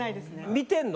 見てんの？